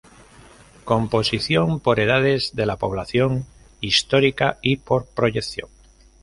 Composición por edades de la población, histórica y por proyección.